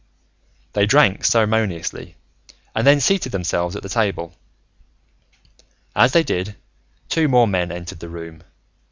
They drank ceremoniously, and then seated themselves at the table. As they did, two more men entered the room.